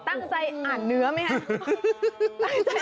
ตั้งใจอ่านเนื้อไหมครับ